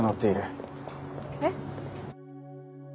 えっ？